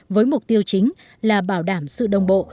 với mục tiêu chính là bảo đảm sự đồng bộ